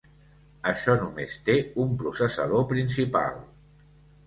Això només té un processador principal.